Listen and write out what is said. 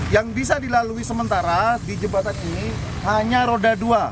yang bisa dilalui sementara di jembatan ini hanya roda dua